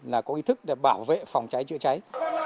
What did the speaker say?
là có ý thức để bảo vệ phòng cháy chữa cháy